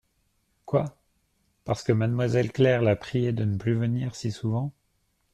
Quoi ! parce que mademoiselle Claire l'a prié de ne plus venir si souvent ?